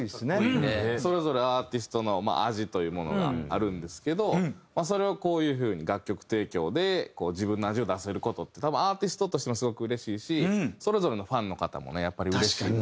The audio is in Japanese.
それぞれアーティストの味というものがあるんですけどそれをこういうふうに楽曲提供で自分の味を出せる事って多分アーティストとしてもすごく嬉しいしそれぞれのファンの方もねやっぱり嬉しいと。